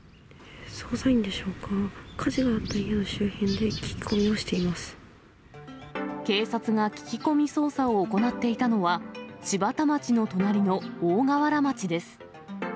捜査員でしょうか、火事のあった家の周辺で聞き込みをしてい警察が聞き込み捜査を行っていたのは、柴田町の隣の大河原町です。